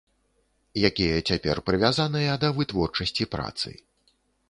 Якія цяпер прывязаныя да вытворчасці працы.